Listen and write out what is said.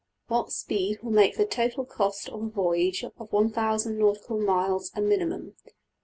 What speed will make the total cost of a voyage of $1000$ nautical miles a minimum?